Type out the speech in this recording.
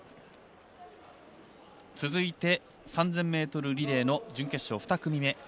続いて３０００ｍリレーの準決勝２組目。